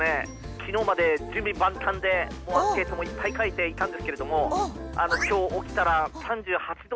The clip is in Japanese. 昨日まで準備万端でもうアンケートもいっぱい書いていたんですけれどもあら大丈夫？